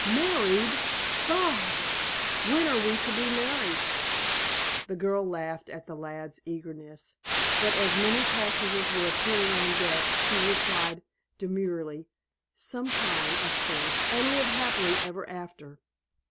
"Married, Bobs! When are we to be married?" The girl laughed at the lad's eagerness, but as many passengers were appearing on deck, she replied, demurely, "Sometime, of course, and live happily ever after."